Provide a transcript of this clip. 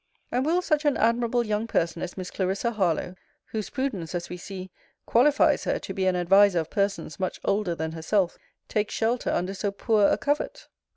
And will such an admirable young person as Miss Clarissa Harlowe, whose prudence, as we see, qualifies her to be an advisor of persons much older than herself, take shelter under so poor a covert?